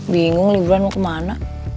bingung liburan mau ke mana